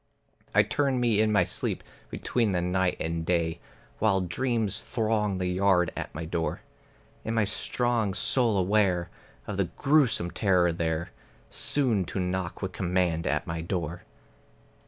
I turn me in my sleep between the night and day, While dreams throng the yard at my door. In my strong soul aware of a grewsome terror there Soon to knock with command at my door.